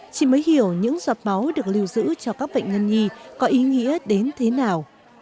chị mới hiểu những giọt máu được lưu giữ cho các bệnh nhân nhi có ý nghĩa đến thế nào